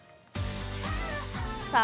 さあ